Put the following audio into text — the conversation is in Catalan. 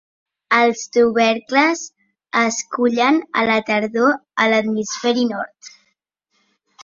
Els tubercles es cullen a la tardor a l'hemisferi nord.